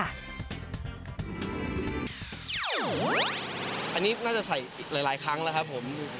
อันนี้น่าจะใส่อีกหลายครั้งแล้วครับผม